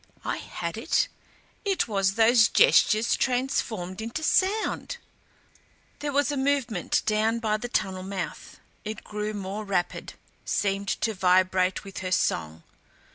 I had it IT WAS THOSE GESTURES TRANSFORMED INTO SOUND! There was a movement down by the tunnel mouth. It grew more rapid, seemed to vibrate with her song.